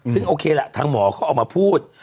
ซึ่งโอเคล่ะทางหมอเขาออกมาพูด